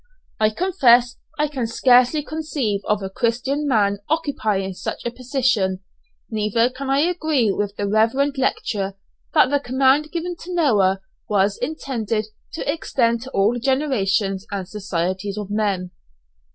I confess I can scarcely conceive of a Christian man occupying such a position, neither can I agree with the reverend lecturer that the command given to Noah was intended to extend to all generations and societies of men.